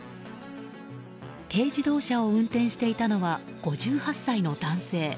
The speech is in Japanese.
軽自動車を運転していたのは５８歳の男性。